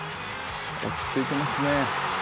落ち着いてますね。